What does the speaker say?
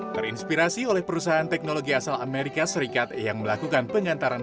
terinspirasi oleh perusahaan teknologi asal amerika serikat yang melakukan pengantaran